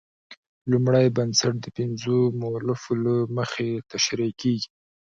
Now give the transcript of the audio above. لومړی بنسټ د پنځو مولفو له مخې تشرېح کیږي.